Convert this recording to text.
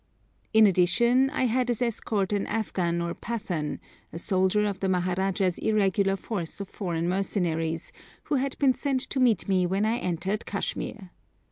In addition, I had as escort an Afghan or Pathan, a soldier of the Maharajah's irregular force of foreign mercenaries, who had been sent to meet me when I entered Kashmir.